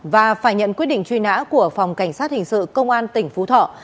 và phải nhận quyết định truy nã của phòng cảnh sát hình sự công an tỉnh phú thọ